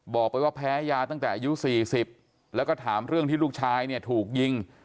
บอกไปว่าแพ้ยาตั้งแต่อายุ๔๐แล้วก็ถามเรื่องที่ลูกชายเนี่ยถูกยิง